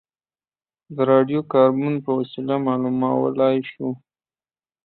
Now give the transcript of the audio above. دا د راډیو کاربن په وسیله معلومولای شو